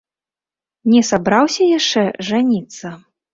Не сабраўся яшчэ жаніцца?